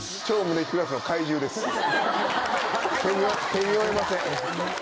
手に負えません。